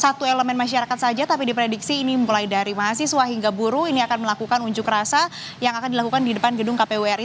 satu elemen masyarakat saja tapi diprediksi ini mulai dari mahasiswa hingga buruh ini akan melakukan unjuk rasa yang akan dilakukan di depan gedung kpu ri